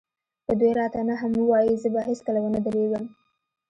که دوی راته نه هم ووايي زه به هېڅکله ونه درېږم.